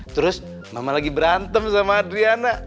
terus mama lagi berantem sama adriana